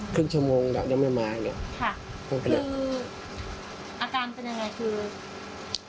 ครึ่งชั่วโมงแล้วยังไม่มาอย่างเงี้ยค่ะคืออาการเป็นยังไงคือ